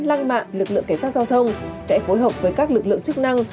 lăng mạ lực lượng cảnh sát giao thông sẽ phối hợp với các lực lượng chức năng